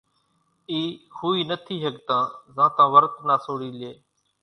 اِي ۿوئي نٿي ۿڳتان زانتان ورت نا سوڙي لئي